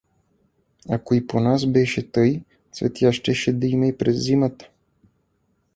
Ако и по нас беше тъй, цветя щеше да има и през зимата!